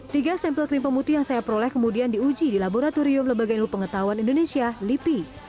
tiga sampel krim pemutih yang saya peroleh kemudian diuji di laboratorium lembaga ilmu pengetahuan indonesia lipi